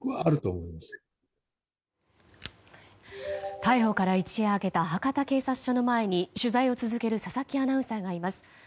逮捕から一夜明けた博多警察署の前に取材を続ける佐々木アナウンサーがいます。